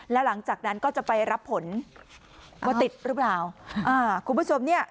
แล้วหลังจากนั้นก็จะไปรับผลว่าติดหรือเปล่าอ่าคุณผู้ชมเนี่ย